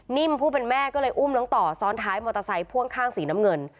ผู้เป็นแม่ก็เลยอุ้มน้องต่อซ้อนท้ายมอเตอร์ไซค์พ่วงข้างสีน้ำเงิน